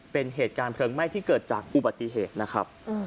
เป็นเหตุการณ์เพลิงไหม้ที่เกิดจากอุบัติเหตุนะครับ